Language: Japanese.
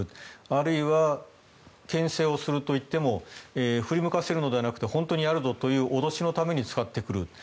あるいはけん制をするといっても振り向かせるのではなくて本当にやるぞという脅しのために使ってくる。